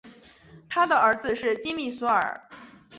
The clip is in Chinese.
他的儿子是金密索尔。